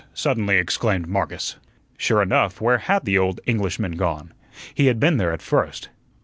suddenly exclaimed Marcus. Sure enough, where had the old Englishman gone? He had been there at first.